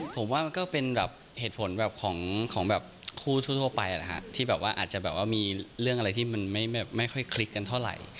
ผมว่ามันก็เป็นเหตุผลของคู่ทั่วไปที่อาจจะมีเรื่องอะไรที่มันไม่ค่อยคลิกกันเท่าไหร่